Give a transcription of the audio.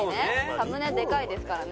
サムネでかいですからね。